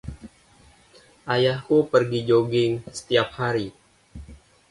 Ayahku pergi joging setiap pagi.